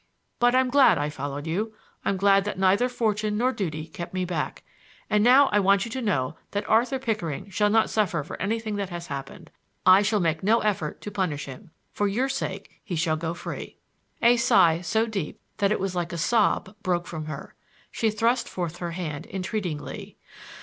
But I'm glad I followed you,—I'm glad that neither fortune nor duty kept me back. And now I want you to know that Arthur Pickering shall not suffer for anything that has happened. I shall make no effort to punish him; for your sake he shall go free." A sigh so deep that it was like a sob broke from her. She thrust forth her hand entreatingly.